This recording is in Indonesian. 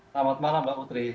selamat malam mbak putri